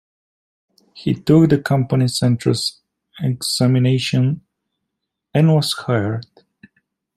He took the company's entrance examination, and was hired.